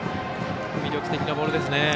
魅力的なボールですね。